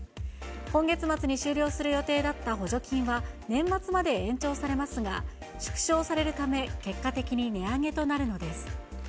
今月末に終了する予定だった補助金は、年末まで延長されますが、縮小されるため結果的に値上げとなるのです。